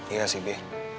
iya sih be